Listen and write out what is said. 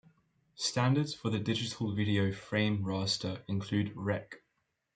Standards for the digital video frame raster include Rec.